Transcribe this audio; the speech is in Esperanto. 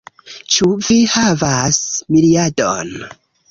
Ĉu vi havas miriadon?